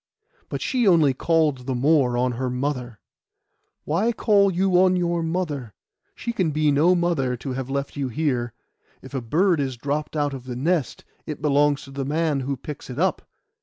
But she only called the more on her mother. 'Why call on your mother? She can be no mother to have left you here. If a bird is dropped out of the nest, it belongs to the man who picks it up.